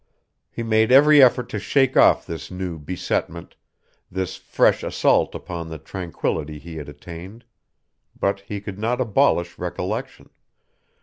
He made every effort to shake off this new besetment, this fresh assault upon the tranquility he had attained. But he could not abolish recollection.